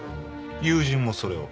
友人もそれを？